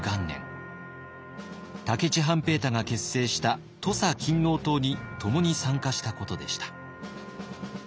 武市半平太が結成した土佐勤王党に共に参加したことでした。